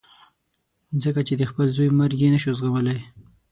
ځکه چې د خپل زوی مرګ یې نه شو زغملای.